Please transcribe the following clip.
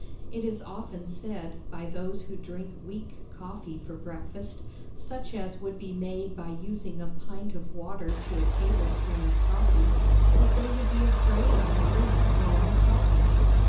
It is often said by those who drink weak coffee for breakfast, such as would be made by using a pint of water to a tablespoonful of coffee, that they would be afraid to drink strong coffee.